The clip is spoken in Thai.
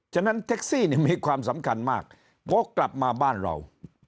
ฉะนั้นแท็กซี่มีความสำคัญมากวกกลับมาบ้านเรา